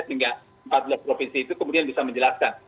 sehingga empat belas provinsi itu kemudian bisa menjelaskan